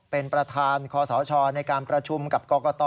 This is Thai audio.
เป็นประธานคศในการประชุมกับกรกต